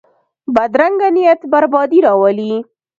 بدرنګه نیت بربادي راولي